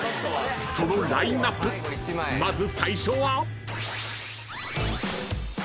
［そのラインアップまず最初は］